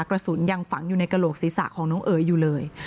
กระสุนยังฝังอยู่ในกระโหลกศีรษะของน้องเอ๋ยอยู่เลย